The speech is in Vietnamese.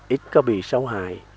ít có bị sâu hài